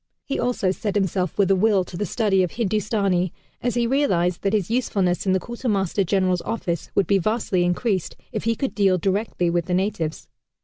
He also set himself with a will to the study of Hindustani, as he realized that his usefulness in the Quartermaster General's office would be vastly increased if he could deal directly with the natives.